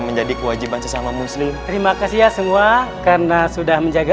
menjadi kewajiban sesama muslim terima kasih ya semua karena sudah menjaga